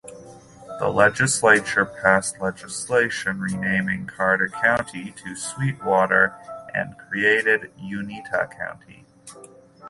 The legislature passed legislation renaming Carter County to Sweetwater and created Uinta County.